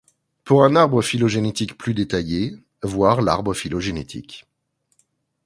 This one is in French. Pour un arbre phylogénétique plus détaillé, voir l'arbre phylogénétique.